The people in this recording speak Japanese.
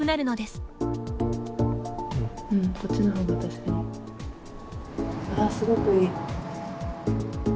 すごくいい。